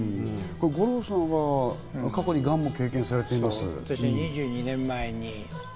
五郎さんは過去に、がんを経験されています。